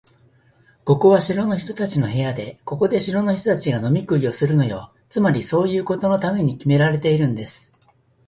ここは城の人たちの部屋で、ここで城の人たちが飲み食いするのよ。つまり、そういうことのためにきめられているんです。